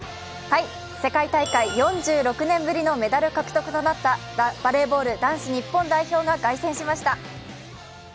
世界大会４６年ぶりのメダル獲得となったバレーボール男子日本代表が凱旋しました。